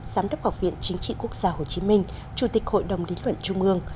giám đốc học viện chính trị quốc gia hồ chí minh chủ tịch hội đồng lý luận trung ương